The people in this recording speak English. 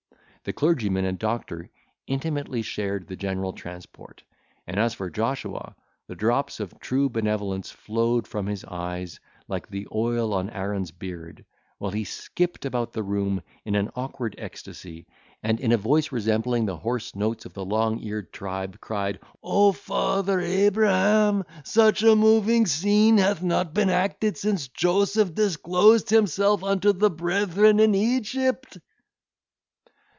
The clergyman and doctor intimately shared the general transport; and as for Joshua, the drops of true benevolence flowed from his eyes, like the oil on Aaron's beard, while he skipped about the room in an awkward ecstasy, and in a voice resembling the hoarse notes of the long eared tribe, cried, "O father Abraham! such a moving scene hath not been acted since Joseph disclosed himself unto his brethren in Egypt."